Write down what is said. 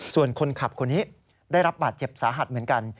ส่วนคนขับคนนี้ได้รับบาดเจ็บสาหัสเหมือนกัน